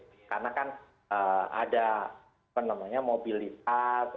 karena kan ada mobilitas